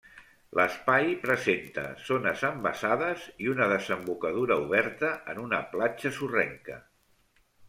L'espai presenta zones embassades i una desembocadura oberta en una platja sorrenca.